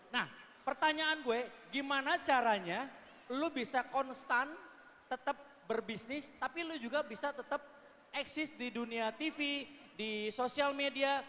nah pertanyaan gue gimana caranya lu bisa konstan tetap berbisnis tapi lu juga bisa tetap eksis di dunia tv di sosial media